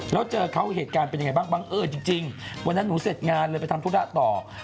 แล้วเจอเขาเหตุการณ์เป็นยังไงบ้างบังเอิญจริงวันนั้นหนูเสร็จงานเลยไปทำธุระต่อ